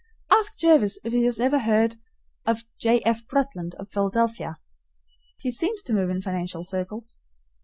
Ask Jervis if he ever heard of J. F. Bretland of Philadelphia. He seems to move in financial circles.